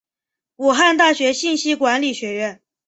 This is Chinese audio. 武汉大学信息管理学院